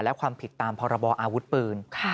และความผิดตามพรบออาวุธปืน